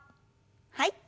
はい。